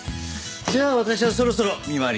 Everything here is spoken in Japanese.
じゃあ私はそろそろ見廻りにえっ？